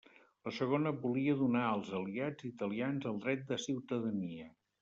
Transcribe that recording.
La segona volia donar als aliats italians el dret de ciutadania.